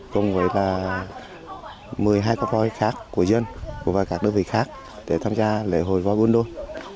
cùng với một mươi hai con voi khác của dân và các đơn vị khác để tham gia lễ hội voi buôn đôn